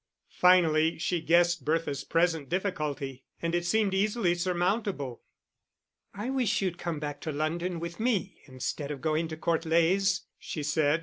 Finally, she guessed Bertha's present difficulty; and it seemed easily surmountable. "I wish you'd come back to London with me instead of going to Court Leys," she said.